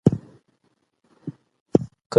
خپله لاره سمه کړئ.